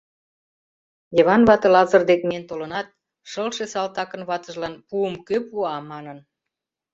Йыван вате Лазыр дек миен толынат, шылше салтакын ватыжлан пуым кӧ пуа, манын.